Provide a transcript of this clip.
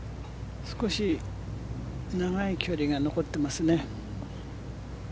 少し長い距離が残っていますね。